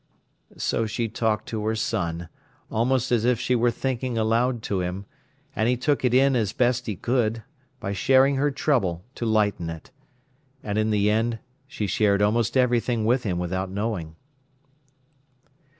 So she talked to her son, almost as if she were thinking aloud to him, and he took it in as best he could, by sharing her trouble to lighten it. And in the end she shared almost everything with him without knowing.